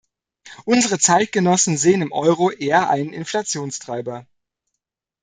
Unsere Zeitgenossen sehen im Euro eher einen Inflationstreiber.